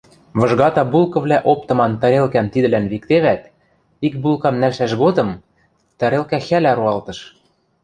Выжгата булкывлӓ оптыман тарелкӓм тидӹлӓн виктевӓт, ик булкам нӓлшӓш годым», тарелка хӓлӓ роалтыш